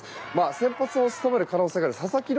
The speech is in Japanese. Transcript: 先発を務める可能性がある佐々木朗